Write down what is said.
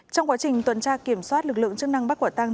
trong quá trình tuần tra kiểm soát lực lượng chức năng bắt quả tăng